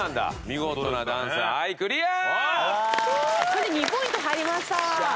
これで２ポイント入りました。